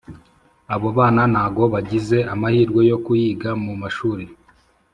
abo bana nago bagize amahirwe yo kuyiga mu mashuli